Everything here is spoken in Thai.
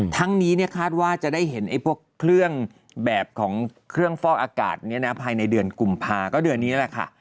ทั้งนี้คาดว่าจะได้เห็นพวกเครื่องแบบของเครื่องฟอกอากาศภายในเดือนกุมภาก็เดือนนี้แหละค่ะ